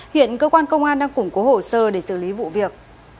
hiện cơ quan công an đang củng cố hồ sơ để xử lý vụ việc